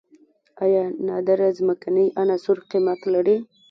آیا نادره ځمکنۍ عناصر قیمت لري؟